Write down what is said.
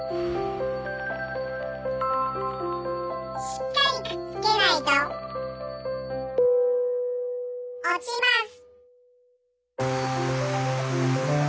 しっかりくっつけないとおちます。